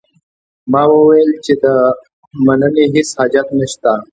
ما وویل چې د مننې هیڅ حاجت نه شته.